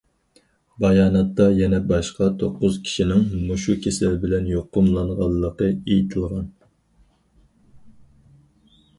باياناتتا يەنە باشقا توققۇز كىشىنىڭ مۇشۇ كېسەل بىلەن يۇقۇملانغانلىقى ئېيتىلغان.